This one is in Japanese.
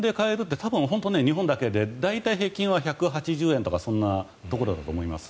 日本だけで平均は１８０円とかそんなところだと思います。